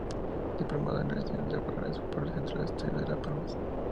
Diplomado en Relaciones Laborales por el Centro de Estudios de Las Palmas.